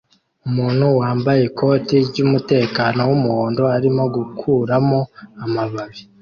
Umuntu wambaye ikoti ryumutekano wumuhondo arimo gukuramo amababi